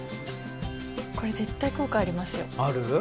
これ絶対効果ありますよある？